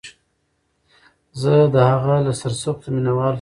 زه د هغه له سرسختو مینوالو څخه یم